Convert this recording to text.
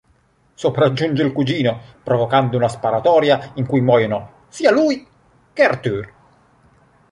Sopraggiunge il cugino, provocando una sparatoria in cui muoiono sia lui che Arthur.